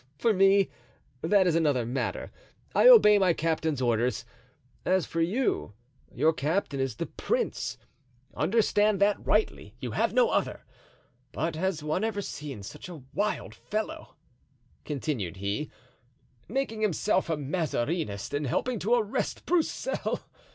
"Oh, for me; that is another matter. I obey my captain's orders. As for you, your captain is the prince, understand that rightly; you have no other. But has one ever seen such a wild fellow," continued he, "making himself a Mazarinist and helping to arrest Broussel!